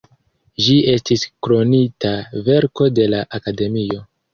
Ĝi estis Kronita Verko de la Akademio.